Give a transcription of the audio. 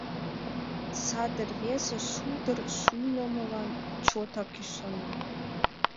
Саде рвезе шулдыр шуйнымылан чотак ӱшана.